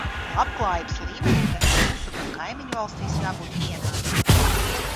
Labklājības līmenim gan mūsu, gan kaimiņvalstīs jābūt vienādam.